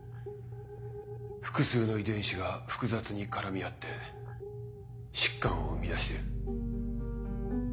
複数の遺伝子が複雑に絡み合って疾患を生み出している。